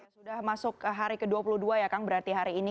sudah masuk hari ke dua puluh dua ya kang berarti hari ini